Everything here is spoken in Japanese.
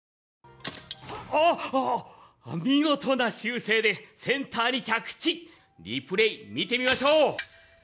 あっ、見事な修正でセンターに着地リプレー、見てみましょう！